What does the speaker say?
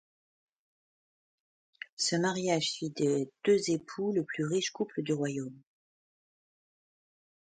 Ce mariage fit des deux époux le plus riche couple du royaume.